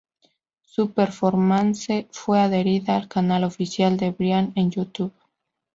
Su performance fue adherida al canal oficial de Bryan en YouTube.